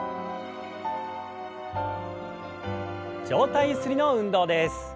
上体ゆすりの運動です。